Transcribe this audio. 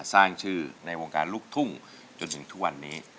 สร้างชื่อในวงการลูกทุ่งจนถึงทุกวันนี้